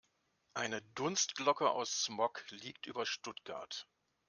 Eine Dunstglocke aus Smog liegt über Stuttgart.